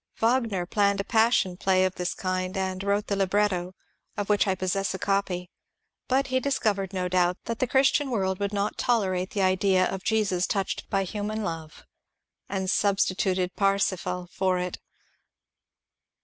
Wagner planned a passion play of this kind and wrote the libretto, of which I possess a copy. But he discovered, no doubt, that the Christian world would not tolerate the idea of Jesus touched by human love, and substituted " Parsifal " for it.